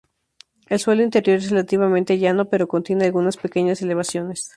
El suelo interior es relativamente llano, pero contiene algunas pequeñas elevaciones.